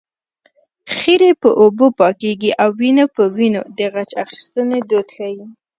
خیرې په اوبو پاکېږي او وينې په وينو د غچ اخیستنې دود ښيي